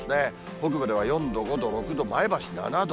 北部では４度、５度、６度、前橋７度。